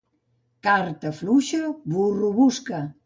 Carta fluixa, burro busca.